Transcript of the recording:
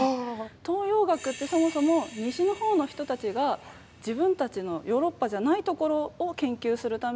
東洋学ってそもそも西のほうの人たちが自分たちのヨーロッパじゃないところを研究するためにつくった学問というか。